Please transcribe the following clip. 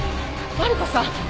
マリコさん！